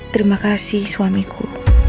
terima kasih suamiku